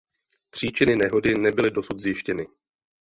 Příčiny nehody nebyly dosud zjištěny.